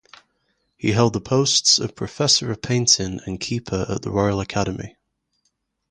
He held the posts of Professor of Painting and Keeper at the Royal Academy.